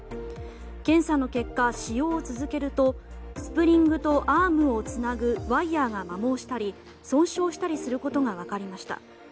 検査の結果、使用を続けるとスプリングとアームをつなぐワイヤが摩耗したり損傷したりすることが分かりました。